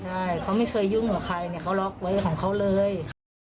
ใช่เขาไม่เคยยุ่งกับใครเนี่ยเขาล็อกไว้ของเขาเลย